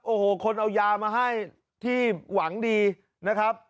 โอ้โหคนเอายามาให้ที่หวังดีนะครับ